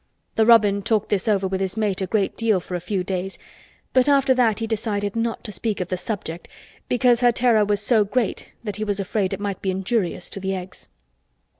The robin talked this over with his mate a great deal for a few days but after that he decided not to speak of the subject because her terror was so great that he was afraid it might be injurious to the Eggs.